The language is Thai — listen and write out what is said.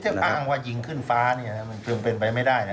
ครับถ้าอ้างว่ายิงขึ้นฟ้าเนี้ยเจอเมื่อมีเป็นไปไม่ได้นะครับ